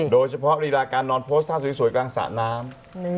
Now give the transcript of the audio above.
โดยเฉพาะอีกลาการนอนโพสท์ถ้าสวยเง่นสาน้ำ